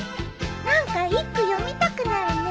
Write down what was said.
何か一句詠みたくなるね。